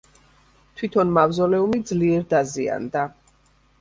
თვითონ მავზოლეუმი ძლიერ დაზიანდა.